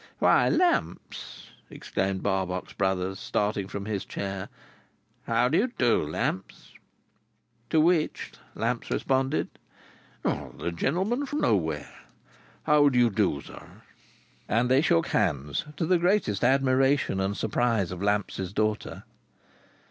"Why, Lamps!" exclaimed Barbox Brothers, starting from his chair. "How do you do, Lamps?" To which, Lamps responded: "The gentleman for Nowhere! How do you DO, sir?" And they shook hands, to the greatest admiration and surprise of Lamps's daughter.